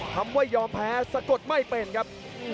คำว่ายอมแพ้สะกดไม่เป็นครับ